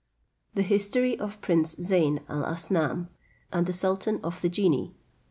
THE HISTORY OF PRINCE ZEYN ALASNAM AND THE SULTAN OF THE GENII.